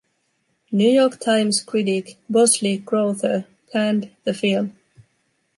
"New York Times" critic Bosley Crowther panned the film.